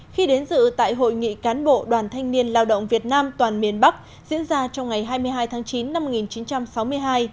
khi đến dự tại hội nghị cán bộ đoàn thanh niên lao động việt nam toàn miền bắc diễn ra trong ngày hai mươi hai tháng chín năm một nghìn chín trăm sáu mươi hai